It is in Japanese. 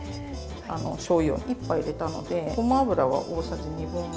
しょうゆを１杯入れたのでごま油は大さじ1/2で。